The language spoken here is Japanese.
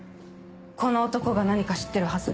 この男が何か知ってるはず。